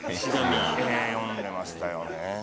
ええ読んでましたよね。